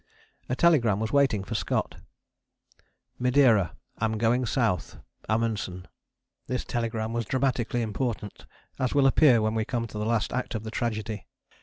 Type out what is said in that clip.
A telegram was waiting for Scott: "Madeira. Am going South. AMUNDSEN." This telegram was dramatically important, as will appear when we come to the last act of the tragedy.